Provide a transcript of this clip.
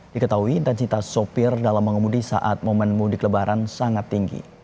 diketahui intensitas sopir dalam mengemudi saat momen mudik lebaran sangat tinggi